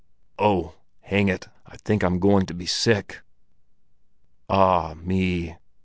Oh, hang it! I think I'm going to be sick! Ah me!"